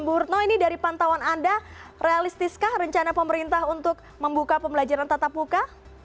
bu retno ini dari pantauan anda realistiskah rencana pemerintah untuk membuka pembelajaran tatap muka